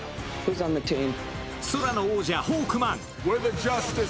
空の王者・ホークマン。